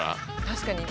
確かに。